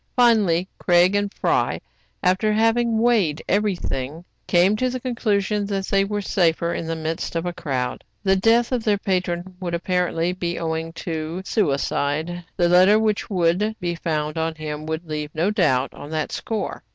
Finally Craig and Fry, after having weighed every thing, came to the conclusion that they were safer in the midst of a crowd. The death of their patron would apparently be owing to THE CELEBRATED LAMENT 14 1 suicide : the letter which would be found on him would leave no doubt on that score.